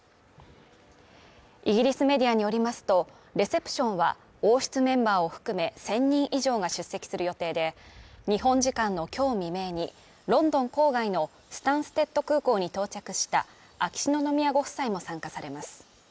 イギリスメディアによりますと、レセプションは、王室メンバーを含め１０００人以上が出席する予定で、日本時間の今日未明にロンドン郊外のスタンステッド空港に到着した秋篠宮ご夫妻も参加されます。